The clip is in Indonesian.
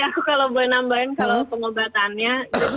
aku kalau boleh nambahin kalau pengobatannya